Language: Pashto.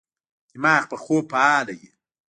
دماغ په خوب فعال وي.